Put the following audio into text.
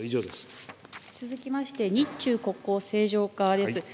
続きまして、日中国交正常化です。